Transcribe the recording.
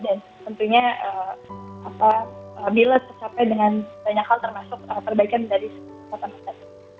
dan tentunya bila tersapai dengan banyak hal termasuk perbaikan dari kota kota